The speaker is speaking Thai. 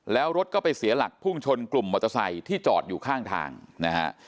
แล้วรถก็ไปเสียหลักพุ่งชนกลุ่มมอเตอร์ไซค์ที่จอดอยู่ข้างทางนะฮะ